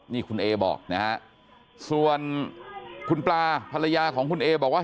นี่คุณเอบอกนะฮะส่วนคุณปลาภรรยาของคุณเอบอกว่า